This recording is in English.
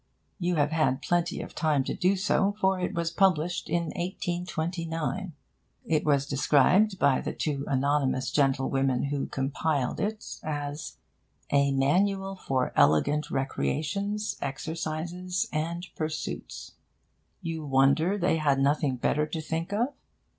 You have had plenty of time to do so, for it was published in 1829. It was described by the two anonymous Gentlewomen who compiled it as 'A Manual for Elegant Recreations, Exercises, and Pursuits.' You wonder they had nothing better to think of?